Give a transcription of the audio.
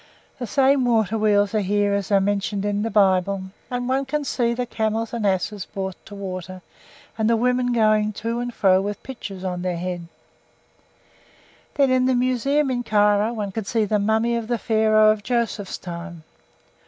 The same water wheels are here as are mentioned in the Bible, and one can see the camels and asses brought to water, and the women going to and fro with pitchers on their heads. Then in the museum in Cairo one could see the mummy of the Pharaoh of Joseph's time.